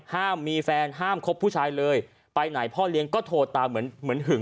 ห้ามมีแฟนห้ามคบผู้ชายเลยไปไหนพ่อเลี้ยงก็โทรตามเหมือนเหมือนหึง